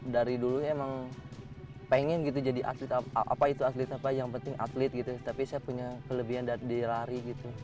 dari dulu emang pengen jadi atlet apa yang penting atlet tapi saya punya kelebihan di lari